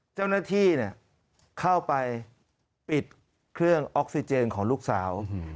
เจ้าหน้าที่เข้าไปปิดเครื่องออกซิเจนของลูกสาว